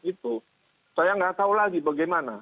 itu saya nggak tahu lagi bagaimana